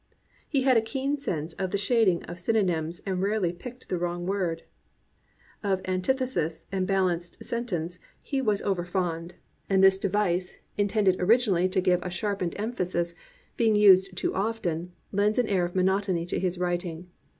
He had a keen sense of the shading of synonyms and rarely picked the wrong word. Of antithesis and the balanced sentence he was over 316 A STURDY BELIEVER fond; and this device, intended originally to give a sharpened emphasis, being used too often, lends an air of monotony to his writing.